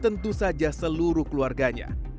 tentu saja seluruh keluarganya